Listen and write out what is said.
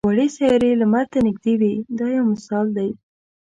وړې سیارې لمر ته نږدې وي دا یو مثال دی.